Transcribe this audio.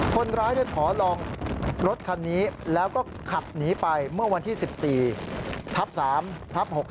คนร้ายได้ขอลองรถคันนี้แล้วก็ขับหนีไปเมื่อวันที่๑๔ทับ๓ทับ๖๓